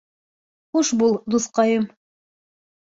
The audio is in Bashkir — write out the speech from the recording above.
Хуш бул, дуҫҡайым!